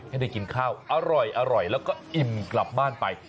ให้ได้กินข้าวอร่อยแล้วก็อิ่มกลับบ้านไป